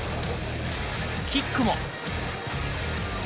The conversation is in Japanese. キックも。